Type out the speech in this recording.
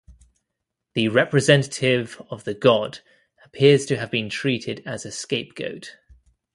The representative of the god appears to have been treated as a scapegoat.